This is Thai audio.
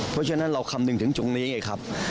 เพราะฉะนั้นเราคำนึงถึงตรงนี้ไงครับ